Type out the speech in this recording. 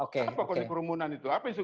kenapa konsep kerumunan itu